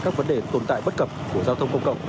các vấn đề tồn tại bất cập của giao thông công cộng